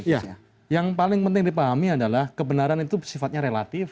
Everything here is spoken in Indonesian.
ya yang paling penting dipahami adalah kebenaran itu sifatnya relatif